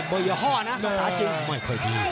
โบยฮ่อนะภาษาจริง